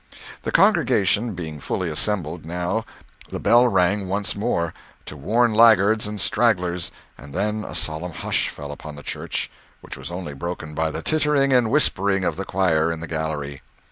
The congregation being fully assembled, now, the bell rang once more, to warn laggards and stragglers, and then a solemn hush fell upon the church which was only broken by the tittering and whispering of the choir in the gallery.